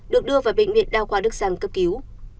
được đưa vào bệnh viện đa khoa đức giang cấp cứu